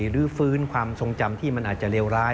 หรือฟื้นความทรงจำที่มันอาจจะเลวร้าย